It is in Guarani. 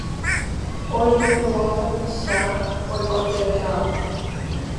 oipytyvõ tapicha oikotevẽvape